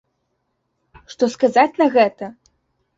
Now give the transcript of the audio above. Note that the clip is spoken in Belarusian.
Што сказаць на гэта?!